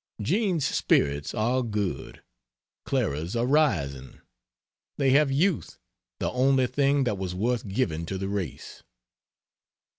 Jean's spirits are good; Clara's are rising. They have youth the only thing that was worth giving to the race.